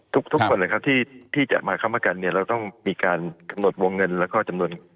ทุกคนเลยครับที่จะมาค้ำประกันเนี่ยเราต้องมีการกำหนดวงเงินแล้วก็จำนวน